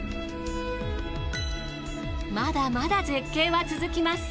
まだまだ絶景は続きます。